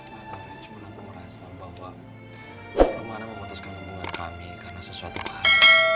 gak tahu rek cuma aku merasa bahwa rumahnya memutuskan hubungan kami karena sesuatu hal